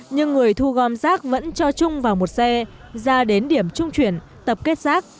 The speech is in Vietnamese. nhưng người thu gom rác vẫn cho chung vào một xe ra đến điểm trung chuyển tập kết rác